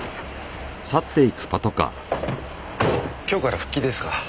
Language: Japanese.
今日から復帰ですか？